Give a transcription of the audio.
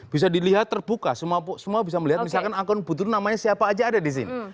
bisa dilihat terbuka semua bisa melihat misalkan akun bot itu namanya siapa aja ada disini